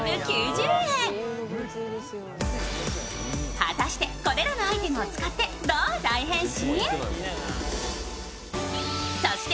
果たしてこれらのアイテムを使ってどう大変身？